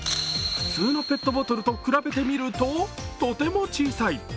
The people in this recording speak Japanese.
普通のペットボトルと比べてみるととても小さい。